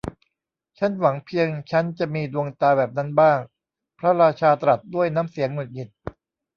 ชั้นหวังเพียงชั้นจะมีดวงตาแบบนั้นบ้าง พระราชาตรัสด้วยน้ำเสียงหงุดหงิด